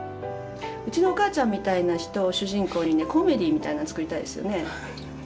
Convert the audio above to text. うちのお母ちゃんみたいな人を主人公にねコメディーみたいなのを作りたいですよね。